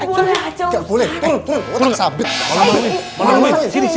boleh aja ustadz